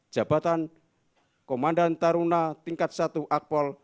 jabatan komandan taruna tingkat satu akpol